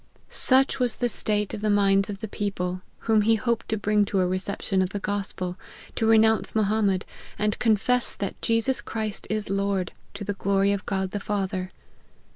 Such was the state of the minds of the people whom he hoped to bring to a reception of the gospel, to renounce Mohammed, and " confess that Jesus Christ is Lord, to the glory of God the Father